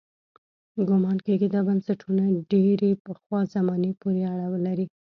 ګومان کېږي دا بنسټونه ډېرې پخوا زمانې پورې اړه لري.